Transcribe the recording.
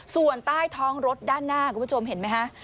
ส่วนใต้ท้องรถด้านหน้าคุณผู้ชมเห็นไหมฮะ